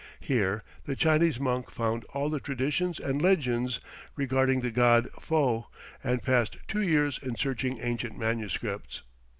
Here the Chinese monk found all the traditions and legends regarding the god Fo, and passed two years in searching ancient manuscripts.